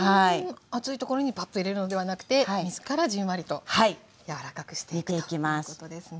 熱い所にパッと入れるのではなくて水からじんわりと柔らかくしていくということですね。